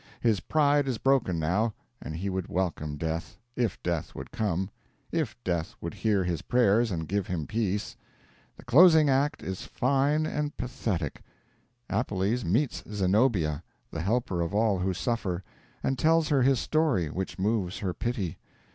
His pride is broken now; and he would welcome Death, if Death would come, if Death would hear his prayers and give him peace. The closing act is fine and pathetic. Appelles meets Zenobia, the helper of all who suffer, and tells her his story, which moves her pity.